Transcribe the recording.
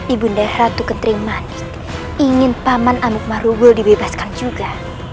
ibu ndera ratu kentering manik ingin paman amuk marugul dibebaskan juga